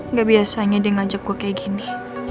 gmapbiasanya dia ngajak gue kayak gini